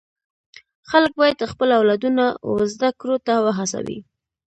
خلک باید خپل اولادونه و زده کړو ته و هڅوي.